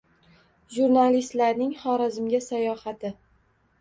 Jurnalistlarning Xorazmga sayohati